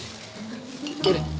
kalau ditelepon diangkat dong